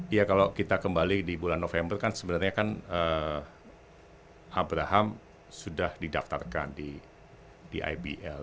iya kalau kita kembali di bulan november kan sebenarnya kan abraham sudah didaftarkan di ibl